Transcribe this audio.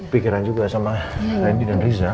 pikiran juga sama randy dan riza